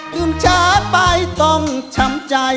ถั่วครับผม